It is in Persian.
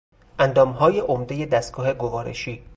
اندامهای عمدهی دستگاه گوارشی